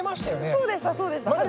そうでしたそうでした。